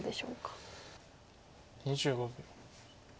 ２５秒。